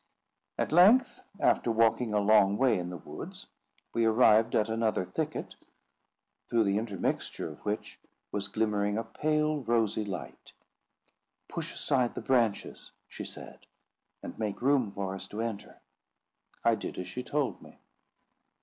At length, after walking a long way in the woods, we arrived at another thicket, through the intertexture of which was glimmering a pale rosy light. "Push aside the branches," she said, "and make room for us to enter." I did as she told me.